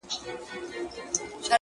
دا خو رښتيا خبره-